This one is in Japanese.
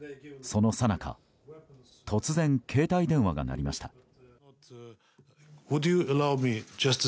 そのさなか、突然携帯電話が鳴りました。